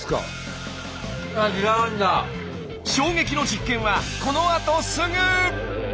衝撃の実験はこのあとすぐ！